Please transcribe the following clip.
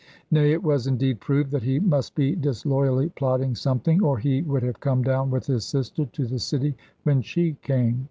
Nay, it was indeed proved that he must be disloyally plotting something, or he would have come down with his sister to the city when she came.